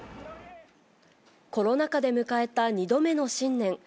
コロナ禍で迎えた２度目の新年。